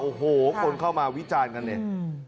โอ้โหคนเข้ามาวิจารณ์กันเนี่ย